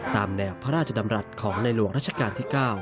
ตามแนวพระราชดำรัฐของในหลวงรัชกาลที่๙